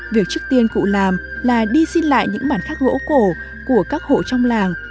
việc trước tiên cụ làm là đi xin lại những bản khắc gỗ cổ của các hộ trong làng